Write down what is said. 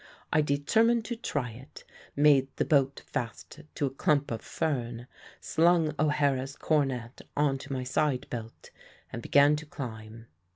I determined to try it, made the boat fast to a clump of fern, slung O'Hara's cornet on to my side belt and began to climb.